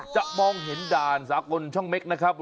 มองเห็นด่านสากลช่องเม็กนะครับ